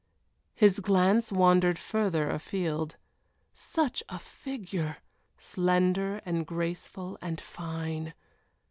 His glance wandered farther afield. Such a figure! slender and graceful and fine.